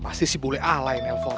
pasti sih boleh ala yang nelfon